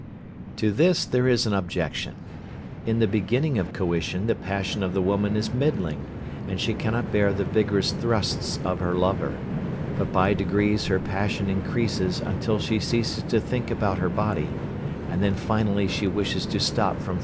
To this there is an objection. In the beginning of coition the passion of the woman is middling, and she cannot bear the vigorous thrusts of her lover, but by degrees her passion increases until she ceases to think about her body, and then finally she wishes to stop from further coition.